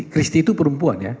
kristi itu perempuan ya